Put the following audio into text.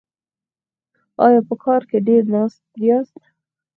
ایا په کار کې ډیر ناست یاست؟